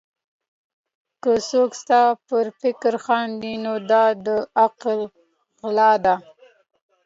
که څوک ستا پر فکر خاندي؛ نو دا د عقل غل دئ.